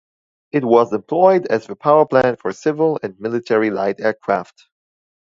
It was employed as the powerplant for civil and military light aircraft.